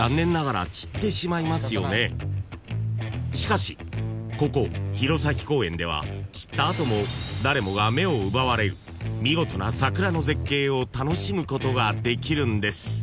［しかしここ弘前公園では散った後も誰もが目を奪われる見事な桜の絶景を楽しむことができるんです］